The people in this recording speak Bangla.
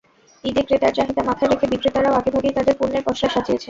ঈদে ক্রেতার চাহিদা মাথায় রেখে বিক্রেতারাও আগেভাগেই তাঁদের পণ্যের পসরা সাজিয়েছেন।